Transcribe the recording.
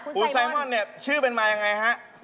คุณไซมอนชื่อเป็นมายังไงครับ